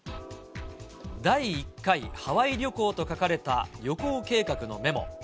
第１回ハワイ旅行と書かれた旅行計画のメモ。